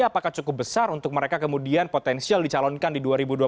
apakah cukup besar untuk mereka kemudian potensial dicalonkan di dua ribu dua puluh